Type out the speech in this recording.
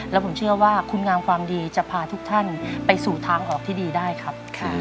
แล้วผมเชื่อว่าคุณงามความดีจะพาทุกท่านไปสู่ทางออกที่ดีได้ครับ